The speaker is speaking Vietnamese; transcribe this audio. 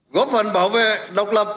góp phần bảo vệ độc lập